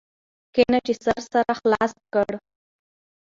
کښېنه چي سر سره خلاص کړ.